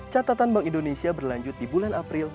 catatan bank indonesia berlanjut di bulan april